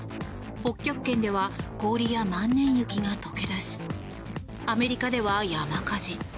北極圏では氷や万年雪が溶け出しアメリカでは山火事。